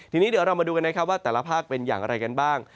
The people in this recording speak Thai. ทีนี้เดี๋ยวเรามาดูกันนะครับว่าแต่ละภาคเป็นอย่างไรกันบ้าง